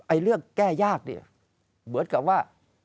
เรื่องแก้ยากเนี่ยเหมือนกับว่า